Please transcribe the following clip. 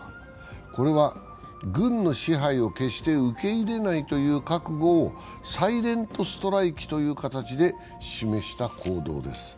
これは軍の支配を決して受け入れないという覚悟をサイレント・ストライキという形で示した行動です。